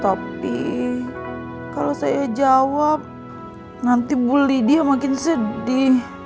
tapi kalau saya jawab nanti bu lydia makin sedih